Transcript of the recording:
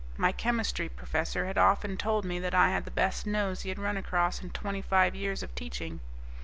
My chemistry professor had often told me that I had the best nose he had run across in twenty five years of teaching.